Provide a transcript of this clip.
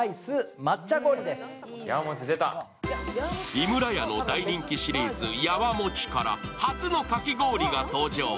井村屋の大人気シリーズ、やわもちから初のかき氷が登場。